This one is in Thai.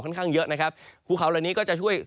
ข้างเยอะนะครับภูเขาเหล่านี้ก็จะช่วย